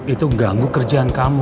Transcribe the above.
itu ganggu kerjaan kamu